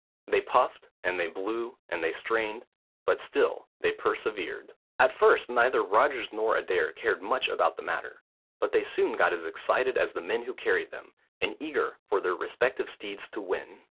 They puffed, and they blew, and they strained, but still they persevered. At first neither Rogers nor Adair cared much about the matter, but they soon got as excited as the men who carried them, and eager for their respective steeds to win.